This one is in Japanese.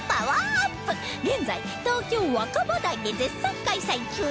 現在東京若葉台で絶賛開催中